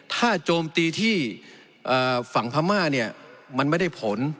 ถ้าโจมตีที่ฝั่งพระม่ามันไม่ได้ผล